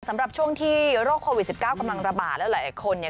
สำหรับช่วงที่โรคโควิด๑๙กำลังระบาดแล้วหลายคนเนี่ย